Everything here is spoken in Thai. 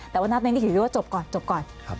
แต่วันนี้คิดว่าจบก่อนจบก่อน